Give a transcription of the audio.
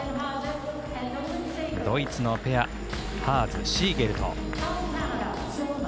ドイツのペアハーズ、ジーゲルト。